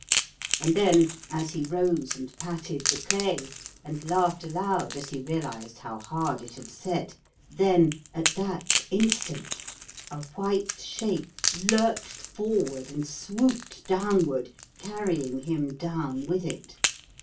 And then, as he rose and patted the clay, and laughed aloud as he realised how hard it had set, then, at that instant, a white shape lurched forward and swooped downward, carrying him down with it.